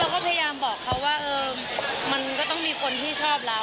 ก็พยายามบอกเขาว่ามันก็ต้องมีคนที่ชอบเรา